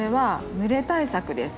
蒸れ対策です。